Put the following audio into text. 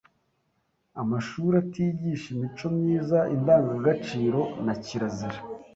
amashuri atigisha imico myiza, Indangagaciro na Kirazira